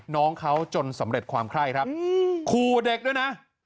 น้องเขาจนสำเร็จความไข้ครับขู่เด็กด้วยนะ